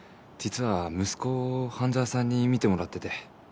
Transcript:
実は息子を半沢さんに見てもらってて。